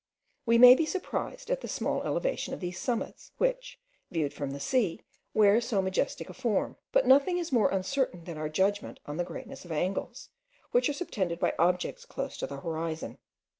We may be surprised at the small elevation of these summits, which, viewed from the sea, wear so majestic a form; but nothing is more uncertain than our judgment on the greatness of angles, which are subtended by objects close to the horizon.